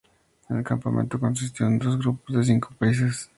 El campeonato consistió en dos grupos de cinco países.